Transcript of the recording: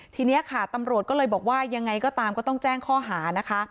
ทีนี้ค่ะตำรวจก็เลยบอกว่ายังไงก็ตามก็ต้องแจ้งข้อหานะคะ